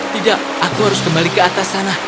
tidak aku harus kembali ke atas sana